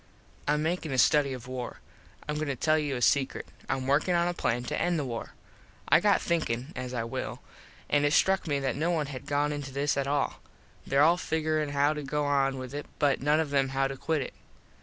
Im makin a study of war. Im goin to tell you a sekrut. Im workin on a plan to end the war. I got thinkin, as I will, an it struck me that no one had gone into this at all. There all figurin how to go on with it but none of em how to quit it.